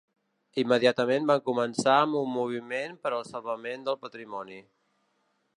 Immediatament van començar amb un moviment per al salvament del patrimoni.